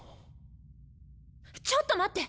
ちょっと待って！